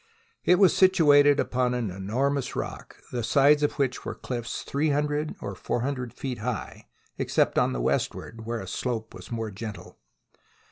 It was situated upon an enormous rock, the sides of which were cliffs three hundred or four hundred feet high, except on the westward, where the slope was more gentle.